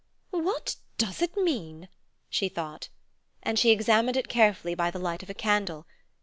"What does it mean?" she thought, and she examined it carefully by the light of a candle.